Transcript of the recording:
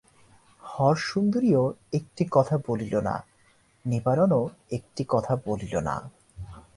হরসুন্দরীও একটি কথা বলিল না, নিবারণও একটি কথা বলিল না।